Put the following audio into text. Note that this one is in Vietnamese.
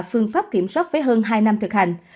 phương pháp kiểm soát với hơn hai năm thực hành